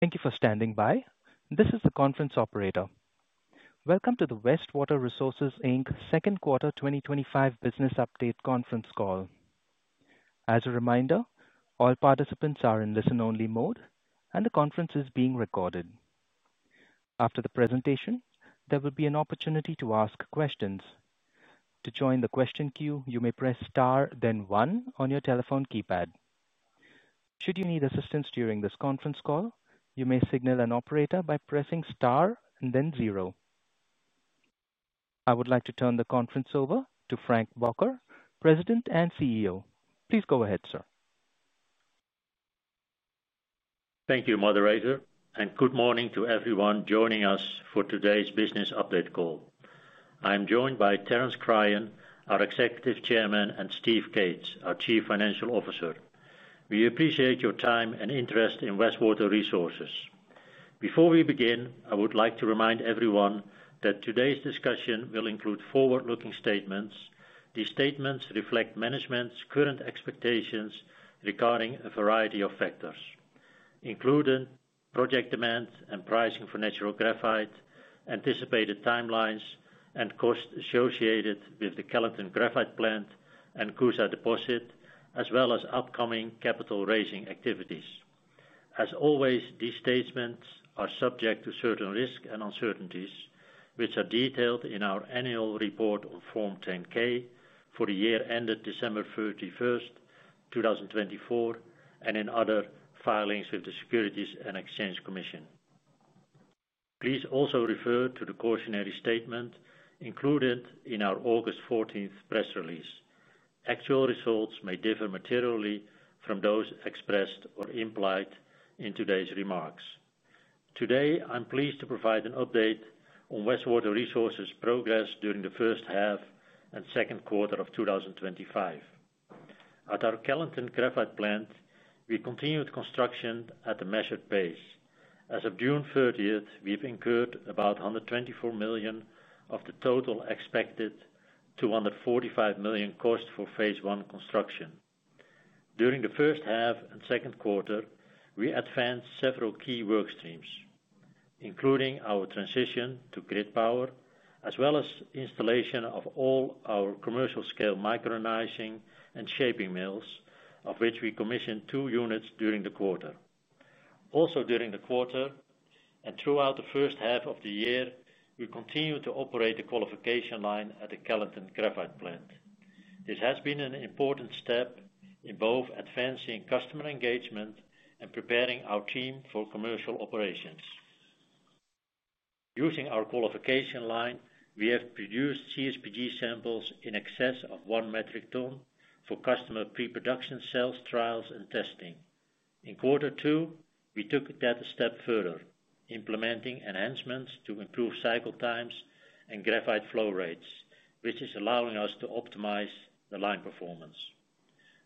Thank you for standing by. This is the conference operator. Welcome to the Westwater Resources, Inc. second quarter 2025 business update conference call. As a reminder, all participants are in listen-only mode, and the conference is being recorded. After the presentation, there will be an opportunity to ask questions. To join the question queue, you may press star, then one on your telephone keypad. Should you need assistance during this conference call, you may signal an operator by pressing star and then zero. I would like to turn the conference over to Frank Bakker, President and CEO. Please go ahead, sir. Thank you, Moderator, and good morning to everyone joining us for today's business update call. I am joined by Terence Cryan, our Executive Chairman, and Steve Cates, our Chief Financial Officer. We appreciate your time and interest in Westwater Resources. Before we begin, I would like to remind everyone that today's discussion will include forward-looking statements. These statements reflect management's current expectations regarding a variety of factors, including project demands and pricing for natural graphite, anticipated timelines, and costs associated with the Kellyton Graphite Plant and Coosa Graphite Deposit, as well as upcoming capital raising activities. As always, these statements are subject to certain risks and uncertainties, which are detailed in our annual report on Form 10-K for the year ended December 31, 2024, and in other filings with the Securities and Exchange Commission. Please also refer to the cautionary statement included in our August 14th press release. Actual results may differ materially from those expressed or implied in today's remarks. Today, I'm pleased to provide an update on Westwater Resources' progress during the first half and second quarter of 2025. At our Kellyton Graphite Plant, we continued construction at a measured pace. As of June 30, we've incurred about $124 million of the total expected $245 million cost for phase I construction. During the first half and second quarter, we advanced several key work streams, including our transition to grid power, as well as installation of all our commercial-scale micronizing and shaping mills, of which we commissioned two units during the quarter. Also during the quarter and throughout the first half of the year, we continued to operate the qualification line at the Kellyton Graphite Plant. This has been an important step in both advancing customer engagement and preparing our team for commercial operations. Using our qualification line, we have produced CSPG samples in excess of one metric ton for customer pre-production sales trials and testing. In quarter two, we took that a step further, implementing enhancements to improve cycle times and graphite flow rates, which is allowing us to optimize the line performance.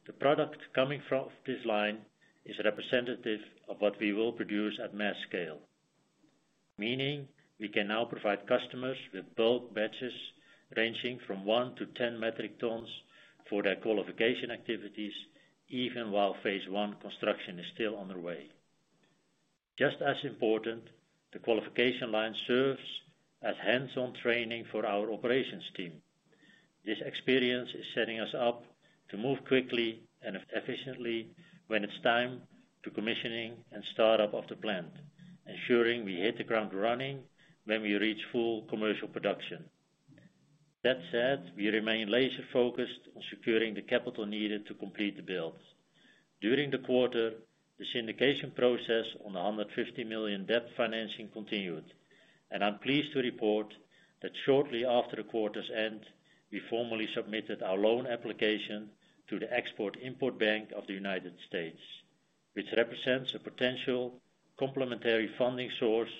The product coming from this line is representative of what we will produce at mass scale, meaning we can now provide customers with bulk batches ranging from 1-10 metric tons for their qualification activities, even while phase I construction is still underway. Just as important, the qualification line serves as hands-on training for our operations team. This experience is setting us up to move quickly and efficiently when it's time for commissioning and startup of the plant, ensuring we hit the ground running when we reach full commercial production. That said, we remain laser-focused on securing the capital needed to complete the build. During the quarter, the syndication process on the $150 million debt financing continued, and I'm pleased to report that shortly after the quarter's end, we formally submitted our loan application to the Export-Import Bank of the United States, which represents a potential complementary funding source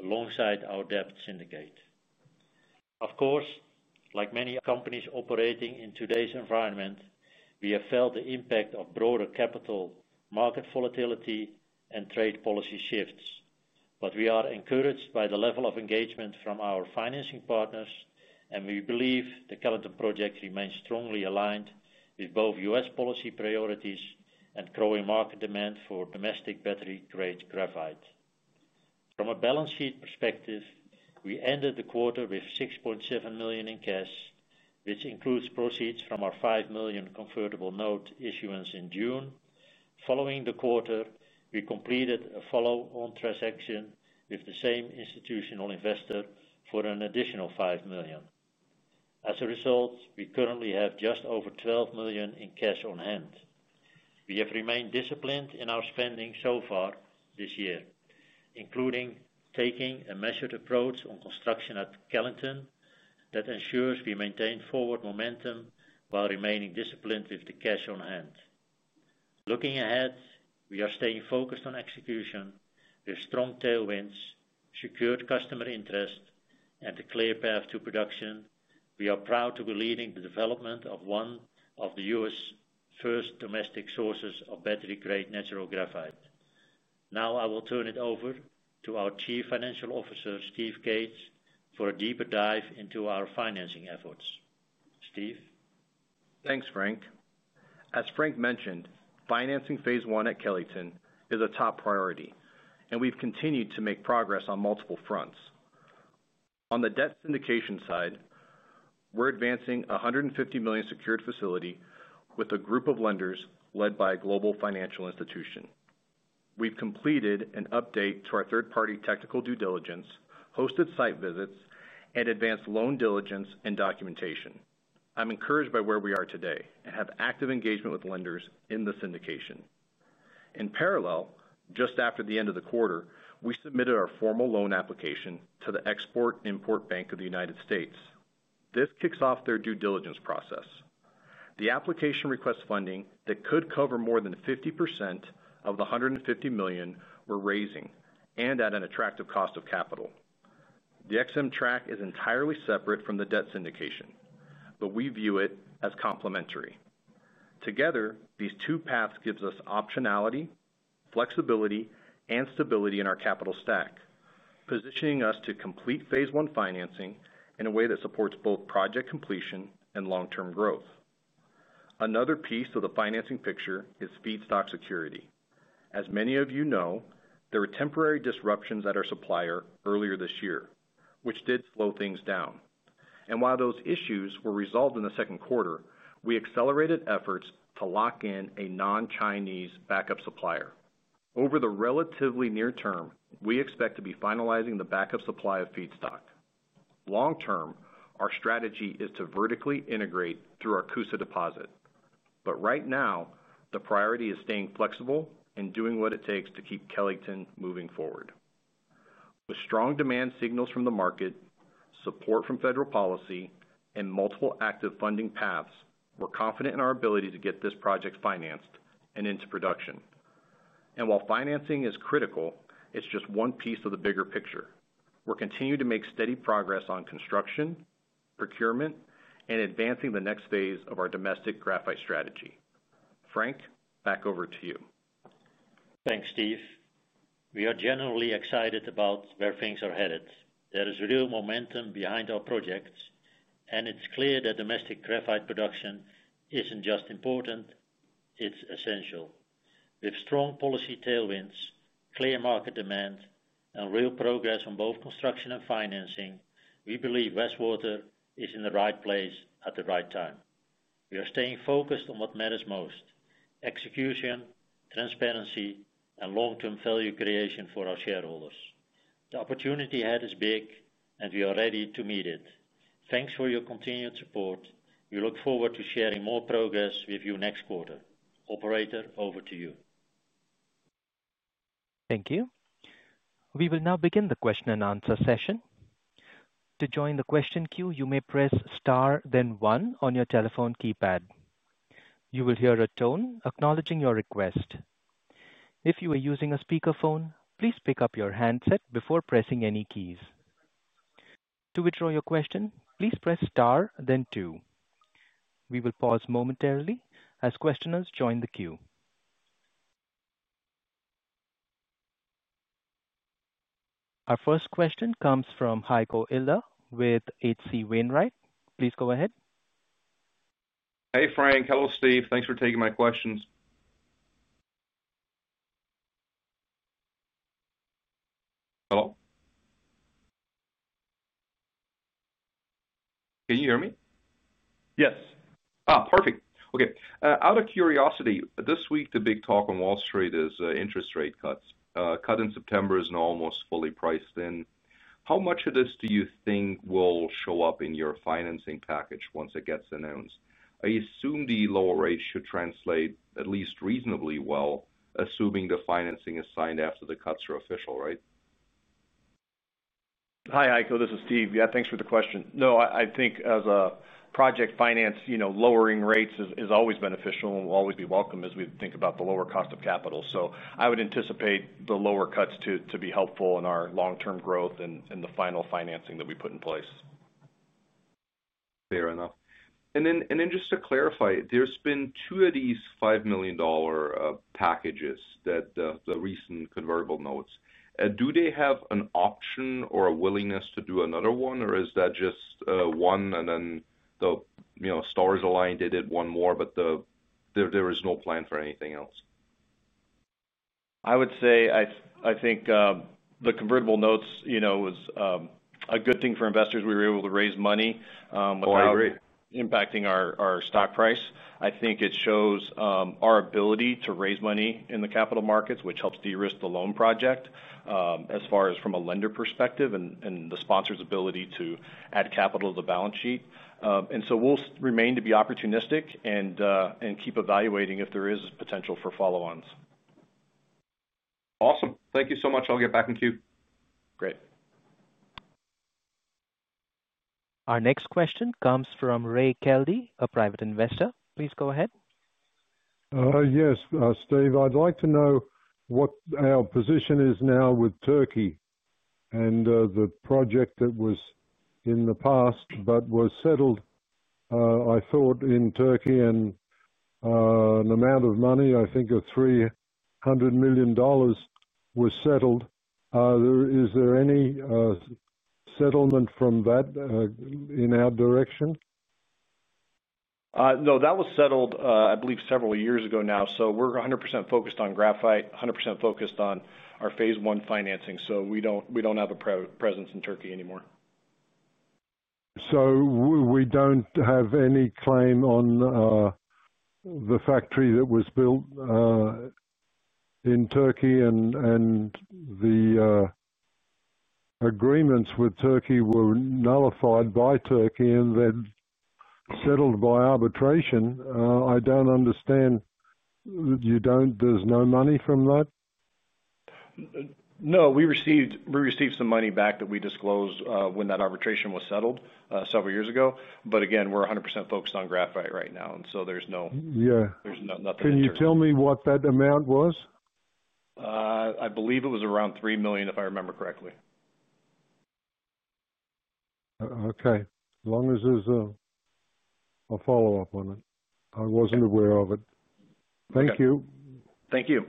alongside our debt syndicate. Of course, like many companies operating in today's environment, we have felt the impact of broader capital, market volatility, and trade policy shifts. We are encouraged by the level of engagement from our financing partners, and we believe the Kellyton project remains strongly aligned with both U.S. policy priorities and growing market demand for domestic battery-grade graphite. From a balance sheet perspective, we ended the quarter with $6.7 million in cash, which includes proceeds from our $5 million convertible note issuance in June. Following the quarter, we completed a follow-on transaction with the same institutional investor for an additional $5 million. As a result, we currently have just over $12 million in cash on hand. We have remained disciplined in our spending so far this year, including taking a measured approach on construction at Kellyton that ensures we maintain forward momentum while remaining disciplined with the cash on hand. Looking ahead, we are staying focused on execution with strong tailwinds, secured customer interest, and a clear path to production. We are proud to be leading the development of one of the U.S. first domestic sources of battery-grade natural graphite. Now I will turn it over to our Chief Financial Officer, Steve Cates, for a deeper dive into our financing efforts. Steve? Thanks, Frank. As Frank mentioned, financing phase I at Kellyton is a top priority, and we've continued to make progress on multiple fronts. On the debt syndication side, we're advancing a $150 million secured facility with a group of lenders led by a global financial institution. We've completed an update to our third-party technical due diligence, hosted site visits, and advanced loan diligence and documentation. I'm encouraged by where we are today and have active engagement with lenders in the syndication. In parallel, just after the end of the quarter, we submitted our formal loan application to the Export-Import Bank of the United States. This kicks off their due diligence process. The application requests funding that could cover more than 50% of the $150 million we're raising and at an attractive cost of capital. The EXIM track is entirely separate from the debt syndication, but we view it as complementary. Together, these two paths give us optionality, flexibility, and stability in our capital stack, positioning us to complete phase I financing in a way that supports both project completion and long-term growth. Another piece of the financing picture is feedstock security. As many of you know, there were temporary disruptions at our supplier earlier this year, which did slow things down. While those issues were resolved in the second quarter, we accelerated efforts to lock in a non-Chinese backup supplier. Over the relatively near term, we expect to be finalizing the backup supply of feedstock. Long term, our strategy is to vertically integrate through our Coosa Deposit. Right now, the priority is staying flexible and doing what it takes to keep Kellyton moving forward. With strong demand signals from the market, support from federal policy, and multiple active funding paths, we're confident in our ability to get this project financed and into production. While financing is critical, it's just one piece of the bigger picture. We're continuing to make steady progress on construction, procurement, and advancing the next phase of our domestic graphite strategy. Frank, back over to you. Thanks, Steve. We are generally excited about where things are headed. There is real momentum behind our projects, and it's clear that domestic graphite production isn't just important, it's essential. With strong policy tailwinds, clear market demand, and real progress on both construction and financing, we believe Westwater is in the right place at the right time. We are staying focused on what matters most: execution, transparency, and long-term value creation for our shareholders. The opportunity ahead is big, and we are ready to meet it. Thanks for your continued support. We look forward to sharing more progress with you next quarter. Operator, over to you. Thank you. We will now begin the question and answer session. To join the question queue, you may press star, then one on your telephone keypad. You will hear a tone acknowledging your request. If you are using a speakerphone, please pick up your handset before pressing any keys. To withdraw your question, please press star, then two. We will pause momentarily as questioners join the queue. Our first question comes from Heiko Ihle with H.C. Wainwright. Please go ahead. Hey, Frank, hello, Steve. Thanks for taking my questions. Hello. Can you hear me? Yes. Perfect. Okay. Out of curiosity, this week the big talk on Wall Street is interest rate cuts. A cut in September is now almost fully priced in. How much of this do you think will show up in your financing package once it gets announced? I assume the lower rates should translate at least reasonably well, assuming the financing is signed after the cuts are official, right? Hi, Heiko. This is Steve. Yeah, thanks for the question. No, I think as a project finance, lowering rates is always beneficial and will always be welcome as we think about the lower cost of capital. I would anticipate the lower cuts to be helpful in our long-term growth and the final financing that we put in place. Fair enough. Just to clarify, there's been two of these $5 million packages, the recent convertible notes. Do they have an option or a willingness to do another one, or is that just one and then the stars aligned, they did one more, but there is no plan for anything else? I would say I think the convertible note, you know, was a good thing for investors. We were able to raise money without impacting our stock price. I think it shows our ability to raise money in the capital markets, which helps de-risk the loan project as far as from a lender perspective and the sponsor's ability to add capital to the balance sheet. We'll remain to be opportunistic and keep evaluating if there is potential for follow-ons. Awesome. Thank you so much. I'll get back in queue. Great. Our next question comes from Ray Kelly, a private investor. Please go ahead. Yes, Steve. I'd like to know what our position is now with Turkey and the project that was in the past but was settled, I thought, in Turkey, and an amount of money, I think of $300 million, was settled. Is there any settlement from that in our direction? That was settled, I believe, several years ago now. We're 100% focused on graphite, 100% focused on our phase I financing. We don't have a presence in Turkey anymore. We don't have any claim on the factory that was built in Turkey, and the agreements with Turkey were nullified by Turkey and then settled by arbitration. I don't understand. You don't, there's no money from that? No, we received some money back that we disclosed when that arbitration was settled several years ago. We're 100% focused on graphite right now, so there's no Yeah. So there's nothing from that. Can you tell me what that amount was? I believe it was around $3 million, if I remember correctly. Okay, as long as there's a follow-up on it. I wasn't aware of it. Thank you. Thank you.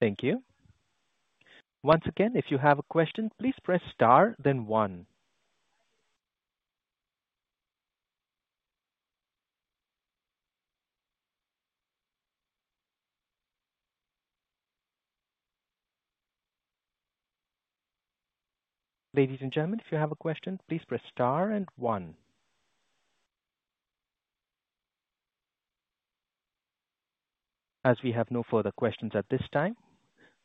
Thank you. Once again, if you have a question, please press star, then one. Ladies and gentlemen, if you have a question, please press star and one. As we have no further questions at this time,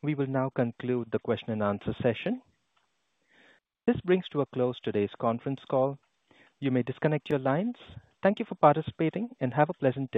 we will now conclude the question and answer session. This brings to a close today's conference call. You may disconnect your lines. Thank you for participating and have a pleasant day.